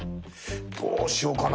どうしようかな？